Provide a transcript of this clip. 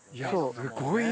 すごいね。